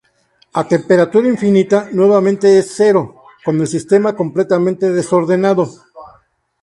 A temperatura infinita, nuevamente es cero, con el sistema completamente desordenado.